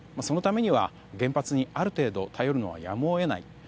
そのためには原発にある程度頼るのはやむを得ない。